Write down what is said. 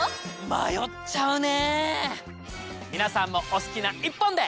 迷っちゃうね！